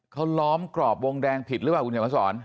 เขาล้อมกรอบวงแดงผิดหรือเปล่าคุณเขียนมาสอน